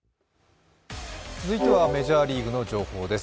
続いてはメジャーリーグの情報です。